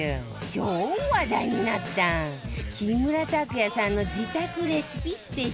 超話題になった木村拓哉さんの自宅レシピスペシャル